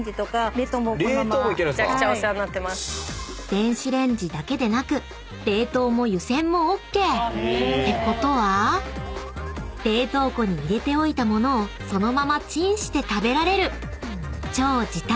［電子レンジだけでなく冷凍も湯せんもＯＫ！ってことは冷凍庫に入れておいた物をそのままチンして食べられる超時短！